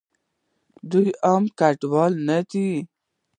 دوئ عام کډوال نه دي.